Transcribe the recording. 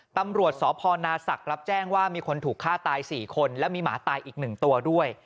ตำรวจสพนาศักดิ์รับแจ้งว่ามีคนถูกฆ่าตาย๔คนและมีหมาตายอีก๑ตัวด้วย